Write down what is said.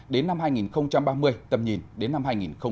đến năm hai nghìn ba mươi tầm nhìn đến năm hai nghìn bốn mươi